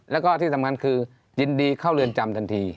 แล้วก็ที่สำคัญคือยินดีเข้าเรือนจำทันที